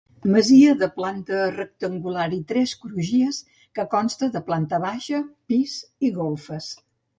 Masia de planta rectangular i tres crugies que consta de planta baixa, pis i golfes.